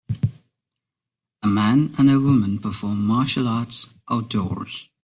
A man and a woman perform martial arts outdoors.